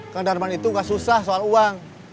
karena darman itu gak susah soal uang